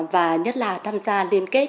và nhất là tham gia liên kết